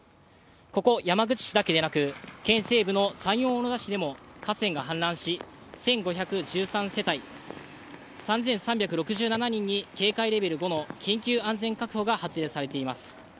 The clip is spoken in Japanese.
ここ、山口市だけでなく、県西部の山陽小野田市でも河川が氾濫し、１５１３世帯３３６７人に警戒レベル５の緊急安全確保が発令されています。